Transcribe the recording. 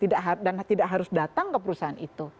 dan tidak harus datang ke perusahaan itu